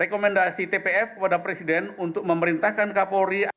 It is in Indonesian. rekomendasi tpf kepada presiden untuk memerintahkan kapolri